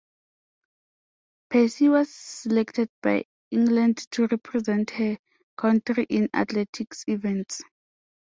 Piercy was selected by England to represent her country in athletics events.